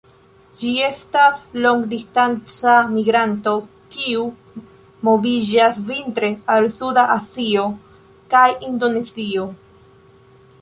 Ĝi estas longdistanca migranto kiu moviĝas vintre al suda Azio kaj Indonezio.